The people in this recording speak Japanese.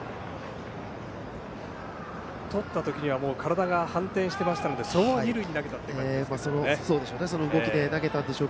とった時には体が反転していましたのでそのまま二塁に投げたという感じですね。